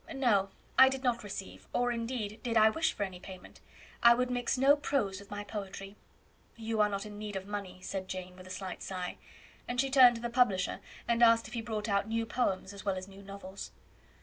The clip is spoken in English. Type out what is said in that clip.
No; I did not receive or, indeed, did I wish for any payment. I would mix no prose with my poetry." "You are not in need of money," said Jane, with a slight sigh; and she turned to the publisher, and asked if he brought out new poems as well as new novels.